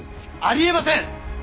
ありえません！